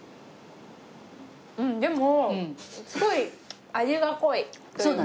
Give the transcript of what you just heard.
うんでもすごい味が濃いというか。